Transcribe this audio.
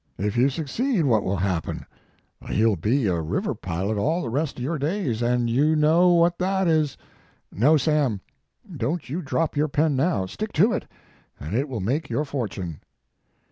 If you succeed, what will happen? You ll be a river pilot all the rest of your days; and you know what that is. No, Sam, don t you drop your pen now, stick to it, and it will make your fortune."